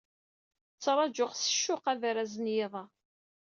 Ttṛajuɣ s ccuq abaraz n yiḍ-a.